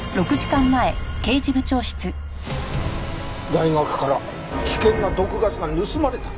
大学から危険な毒ガスが盗まれた？